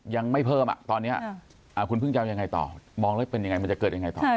ยังไม่เพิ่มอ่ะตอนนี้คุณเพิ่งจะเอายังไงต่อมองแล้วเป็นยังไงมันจะเกิดยังไงต่อ